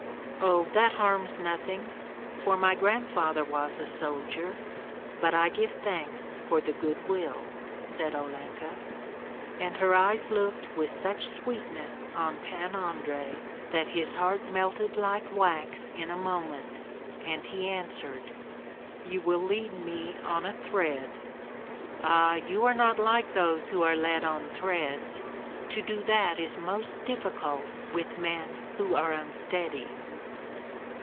"Oh, that harms nothing, for my grandfather was a soldier; but I give thanks for the good will," said Olenka; and her eyes looked with such sweetness on Pan Andrei that his heart melted like wax in a moment, and he answered, "You will lead me on a thread." "Ah, you are not like those who are led on threads; to do that is most difficult with men who are unsteady."